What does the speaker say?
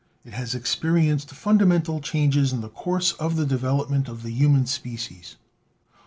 It has experienced fundamental changes in the course of the development of the human species.